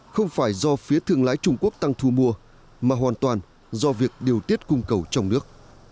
không phải do phía thương lái trung quốc tăng thu mua mà hoàn toàn do việc điều tiết cung cầu trong nước